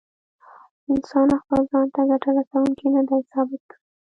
انسان خپل ځان ګټه رسوونکی نه دی ثابت کړی.